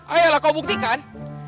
ayolah kau buktikan